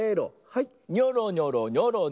はい。